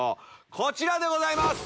こちらでございます。